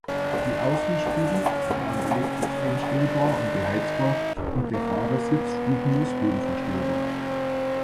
Die Außenspiegel waren elektrisch einstellbar und beheizbar, und der Fahrersitz stufenlos höhenverstellbar.